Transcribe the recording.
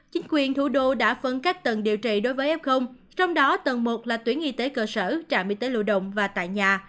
chính quyền thủ đô đã phân cách tầng điều trị đối với f trong đó tầng một là tuyến y tế cơ sở trạm y tế lưu động và tại nhà